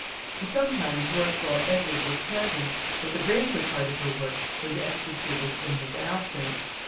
She sometimes worked while Edward was present, but the greater part of her work was executed in his absence.